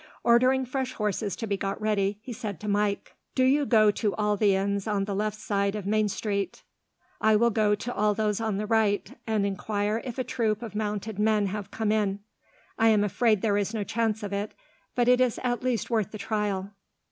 Ordering fresh horses to be got ready, he said to Mike: "Do you go to all the inns on the left of the main street I will go to all those on the right and enquire if a troop of mounted men have come in. I am afraid there is no chance of it, but it is at least worth the trial."